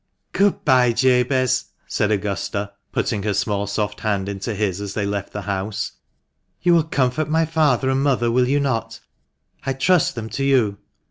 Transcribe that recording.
" Good bye, Jabez," said Augusta, putting her small soft hand into his as they left the house ;" you will comfort my father and mother, will you not ? I trust them to you."